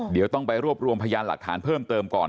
เดี๋ยวต้องไปรวบรวมพยานหลักฐานเพิ่มเติมก่อน